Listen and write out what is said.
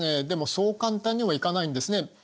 でもそう簡単にはいかないんですね。